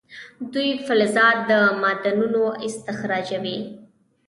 دوی فلزات او معدنونه استخراجوي.